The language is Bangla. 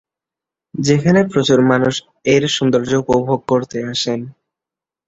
যেখানে প্রচুর মানুষ এর সৌন্দর্য্য উপভোগ করতে আসেন।